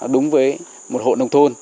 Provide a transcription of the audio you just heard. đúng với một hộ nông thôn